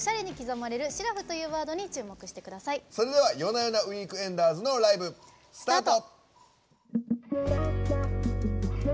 それではＹＯＮＡＹＯＮＡＷＥＥＫＥＮＤＥＲＳのライブ、スタート。